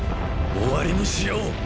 終わりにしよう。